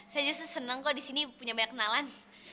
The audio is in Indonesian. saya senang kok di sini punya banyak kenalan